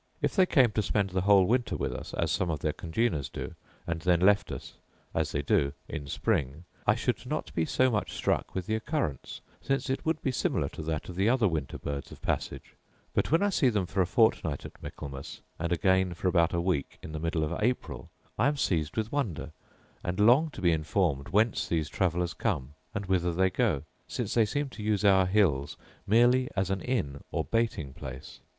If they came to spend the whole winter with us, as some of their congeners do, and then left us, as they do, in spring, I should not be so much struck with the occurrence, since it would be similar to that of the other winter birds of passage; but when I see them for a fortnight at Michaelmas, and again for about a week in the middle of April, I am seized with wonder, and long to be informed whence these travellers come, and whither they go, since they seem to use our hills merely as an inn or baiting place.